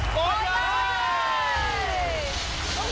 ต้องไหล